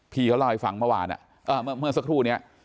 พี่เค้าเล่าให้ฟังเมื่อสักครู่เนี่ย